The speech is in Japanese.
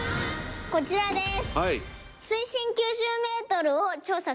こちらです。